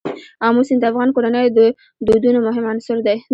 آمو سیند د افغان کورنیو د دودونو مهم عنصر دی.